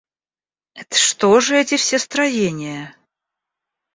Это что же эти все строения?